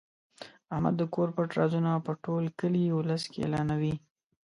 احمد د کور پټ رازونه په ټول کلي اولس کې اعلانوي.